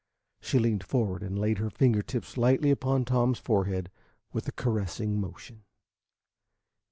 She leaned forward and laid her finger tips lightly upon Tom's forehead with a caressing motion.